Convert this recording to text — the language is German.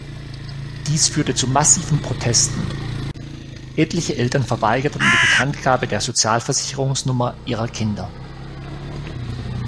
Dies führte zu massiven Protesten, etliche Eltern verweigerten die Bekanntgabe der Sozialversicherungsnummer ihrer Kinder.